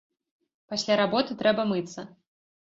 Пасля работы трэба мыцца.